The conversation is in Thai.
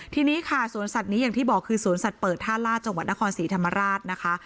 ทีนี้ค่ะสวนสัตว์นี้อย่างที่บอกคือสวนสัตว์เปิดท่าลาดจังหวัดนครศรีธรรมราชนะคะ